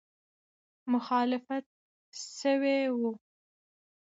مخالفت سوی وو.